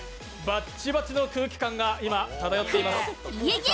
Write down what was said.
バッチバチの空気感が漂っています。